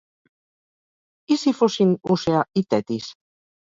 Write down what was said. I si fossin Oceà i Tetis?